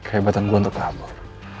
kehebatan gue untuk kabur